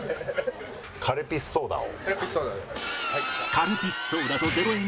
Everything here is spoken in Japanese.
カルピスソーダと０円